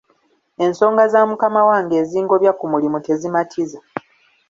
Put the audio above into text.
Ensonga za mukama wange ezingobya ku mulimu tezimatiza.